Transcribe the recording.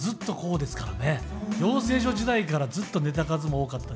養成所時代からずっとネタ数も多かったですから。